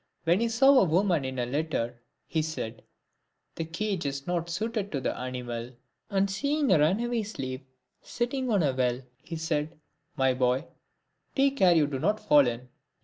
When he saw a woman in a litter, he said, " The cage is not suited to the animal." And seeing a runaway slave sitting on a well, he said, " My boy, take care you do not fall in."